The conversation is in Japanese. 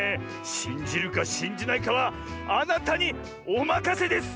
しんじるかしんじないかはあなたにおまかせです！